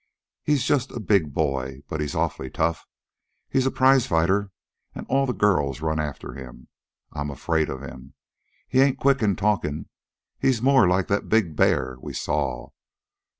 He's just a big boy, but he's awfully tough. He's a prizefighter, an' all the girls run after him. I'm afraid of him. He ain't quick in talkin'. He's more like that big bear we saw.